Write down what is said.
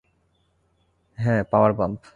হ্যাঁ, power bump.